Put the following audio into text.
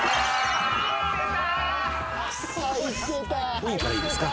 コインからいいですか。